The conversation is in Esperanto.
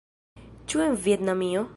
Ĉu en Vjetnamio?